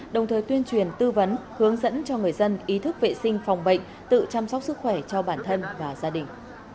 đồng thời tuyên truyền tư vấn hướng dẫn cho người dân ý thức vệ sinh phòng bệnh tự chăm sóc sức khỏe cho bản thân và gia đình